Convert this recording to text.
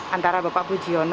antara bapak pujiono